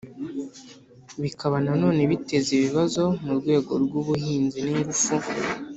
bikaba na none biteza ibibazo mu rwego rw'ubuhinzi n'ingufu.